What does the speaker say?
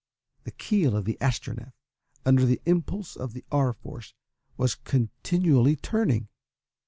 The keel of the Astronef, under the impulse of the R. Force, was continually turning.